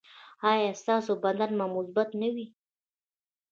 ایا ستاسو بدلون به مثبت نه وي؟